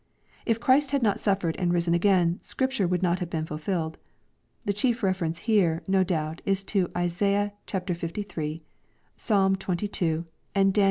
If Christ had not «uifered and risen again, Scripture would not have been fulfilled. The chief reference here, no doubt, is to Isaiah liii. Psalm xxii. and Dan.